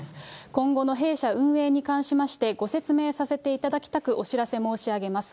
今後の弊社運営に関しまして、ご説明させていただきたくお知らせ申し上げます。